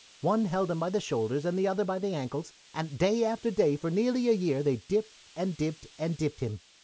One held him by the shoulders and the other by the ankles, and day after day for nearly a year they dipped, and dipped, and dipped him.